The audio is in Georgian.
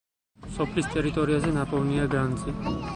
სოფლის ტერიტორიაზე ნაპოვნია განძი.